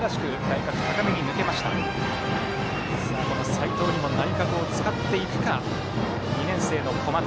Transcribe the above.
齋藤にも内角を使っていくか２年生の小松。